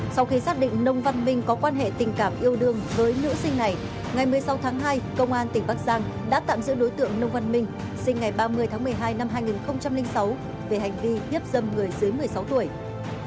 sau khi xác định nông văn minh có quan hệ tình cảm yêu đương với nữ sinh này ngày một mươi sáu tháng hai công an tỉnh bắc giang đã tạm giữ đối tượng nông văn minh sinh ngày ba mươi tháng một mươi hai năm hai nghìn sáu về hành vi hiếp dâm người dưới một mươi sáu tuổi